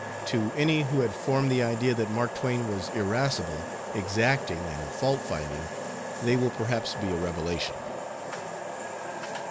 To any who had formed the idea that Mark Twain was irascible, exacting, and faultfinding, they will perhaps be a revelation.